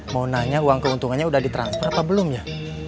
mau nanya uang keuntungannya udah ditransfer apa belum ya